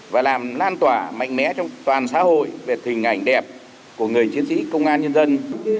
và làm lan tỏa mạnh mẽ trong toàn xã hội về hình ảnh đẹp của người chiến sĩ công an nhân dân